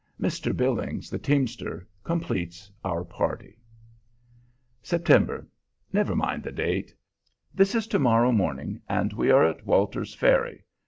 Mr. Billings, the teamster, completes our party. Sept. Never mind the date. This is to morrow morning, and we are at Walter's Ferry.